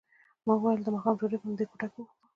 ما وویل د ماښام ډوډۍ به همدلته په کوټه کې وخورو.